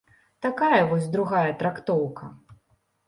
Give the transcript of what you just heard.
Такая вось другая трактоўка.